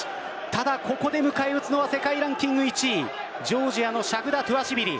ただ、ここで迎え撃つのは世界ランキング１位ジョージアのシャフダトゥアシビリ。